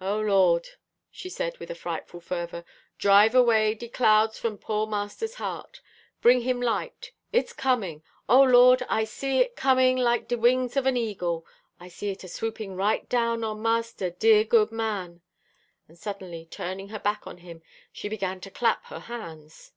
"Oh! Lord," she said with a frightful fervour "drive away de clouds from poor Mister's heart. Bring him light It's comin'. Oh! Lord I see it comin' like de wings of an eagle. I see it a swoopin' right down on Mister, dear, good man," and suddenly turning her back on him, she began to clap her hands.